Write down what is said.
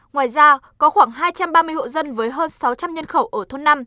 ngoài ra có khoảng hai trăm ba mươi hộ dân với hơn sáu trăm linh nhân khẩu ở thôn năm